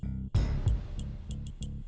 tidak ada lagi